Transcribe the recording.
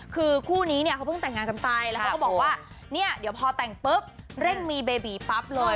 คือคู่นี้เนี่ยเขาเพิ่งแต่งงานกันไปแล้วเขาก็บอกว่าเนี่ยเดี๋ยวพอแต่งปุ๊บเร่งมีเบบีปั๊บเลย